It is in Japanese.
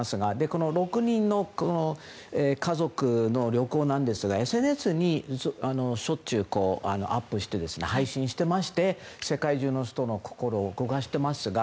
この６人の家族の旅行なんですがＳＮＳにしょっちゅうアップして配信してまして世界中の人の心を動かしていますが。